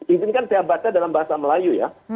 izinkan saya baca dalam bahasa melayu ya